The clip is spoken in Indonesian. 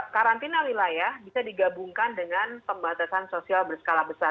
karantina wilayah bisa digabungkan dengan pembatasan sosial berskala besar